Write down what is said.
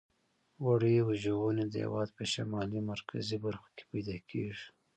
وړۍ وژغنې د هېواد په شمالي مرکزي برخو کې پیداکیږي.